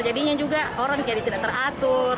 jadinya juga orang jadi tidak teratur